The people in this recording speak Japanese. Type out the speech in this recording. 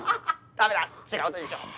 ダメだ違うのにしよう。